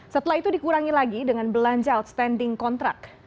setelah itu dikurangi lagi dengan belanja outstanding kontrak